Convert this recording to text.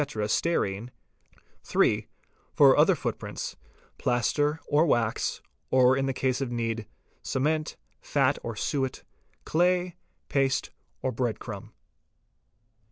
stearine ; (3) for other footprints: plaster, or wax, or in case of need—cement, fat or suet, clay, paste, or bread crumb.